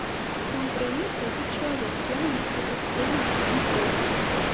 Там пры ім сядзіць чалавек, ён у нас у касцельным камітэце.